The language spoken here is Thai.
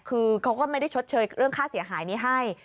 คือเขาก็ไม่ได้ชดเชยเรื่องค่าเสียหายนี้ให้